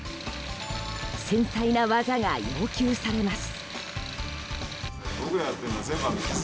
繊細な技が要求されます。